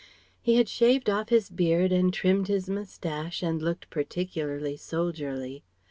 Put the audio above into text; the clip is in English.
He had shaved off his beard and trimmed his moustache and looked particularly soldierly.